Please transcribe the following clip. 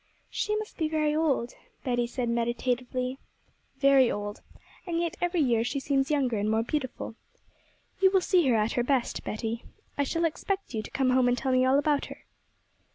'She must be very old,' Betty said meditatively. 'Very old; and yet every year she seems younger and more beautiful. You will see her at her best, Betty. I shall expect you to come home and tell me all about her.'